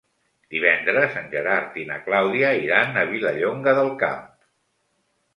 Divendres en Gerard i na Clàudia iran a Vilallonga del Camp.